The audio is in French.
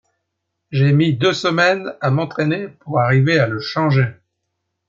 J'ai mis deux semaines à m'entraîner pour arriver à le changer.